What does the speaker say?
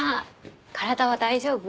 体は大丈夫？